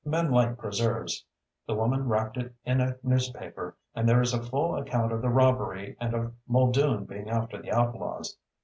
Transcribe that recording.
Men like preserves. The woman wrapped it in a newspaper, and there is a full account of the robbery and of Muldoon being after the outlaws.